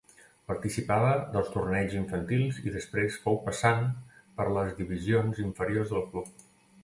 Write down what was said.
Participava dels torneigs infantils i després fou passant per les divisions inferiors del club.